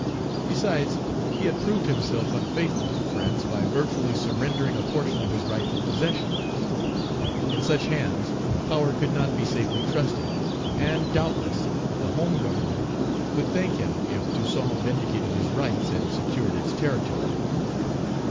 Besides, he had proved himself unfaithful to France, by virtually surrendering a portion of his rightful possessions. In such hands, power could not be safely trusted. And, doubtless, the Home Government Page 125 would thank him if Toussaint vindicated his rights and secured its territory.